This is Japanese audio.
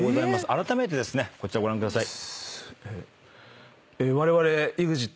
あらためてですねこちらご覧ください。